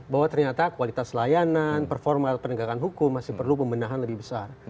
bahwa ternyata kualitas layanan performa penegakan hukum masih perlu pembenahan lebih besar